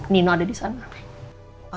nino ada disana